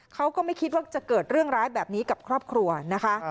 เขาก็ไม่คิดว่าจะเกิดเรื่องร้ายแบบนี้กับครอบครัวนะคะ